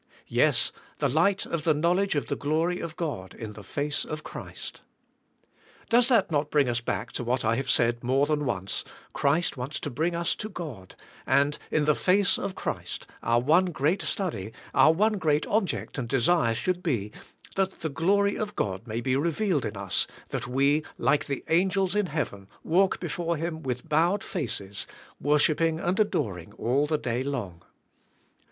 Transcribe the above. Yes, the light of the knowledge of the glory of God THK HKAVKNIvY TRKASURK. 161 in the face of Christ.' Does that not bring us back to what I have said more than once, Christ wants to bring us to God, and in the face of Christ, our one great study, our one g reat object and desire should be, that the glory of God may be revealed in us, that we, like the angels in heaven, walk before Him with bowed faces, worshiping and adoring all the day long.